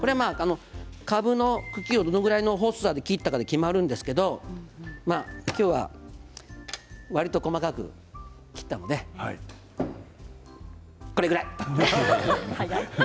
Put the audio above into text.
かぶの茎をどれくらいの細さで切ったかで決まるんですけれどきょうはわりと細かく切ったのでこれくらい。